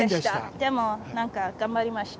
でも、何か頑張りました。